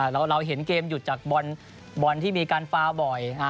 เราเห็นเกมหยุดจากบอลที่มีการฟาวบ่อย